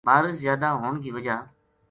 بارش زیادہ ہون کی وجہ